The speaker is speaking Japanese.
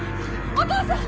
お父さん！